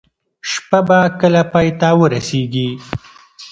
شپه به کله پای ته ورسیږي؟